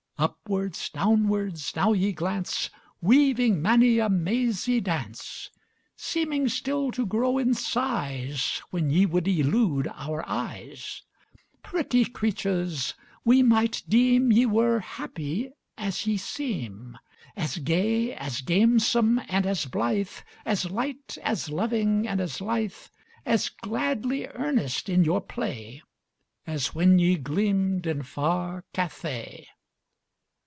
Upwards, downwards, now ye glance, Weaving many a mazy dance; Seeming still to grow in size When ye would elude our eyes Pretty creatures! we might deem Ye were happy as ye seem As gay, as gamesome, and as blithe, As light, as loving, and as lithe, As gladly earnest in your play, As when ye gleamed in far Cathay.